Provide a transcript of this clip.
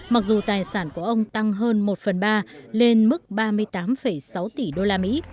mặc dù tài sản của ông tăng hơn một phần ba lên mức ba mươi tám sáu tỷ đô la mỹ